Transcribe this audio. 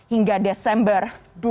hingga desember dua ribu dua puluh